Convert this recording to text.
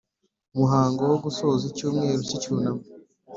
Umuhango wo Gusoza icyumweru cy Icyunamo